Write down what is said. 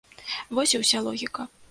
Вось і уся логіка.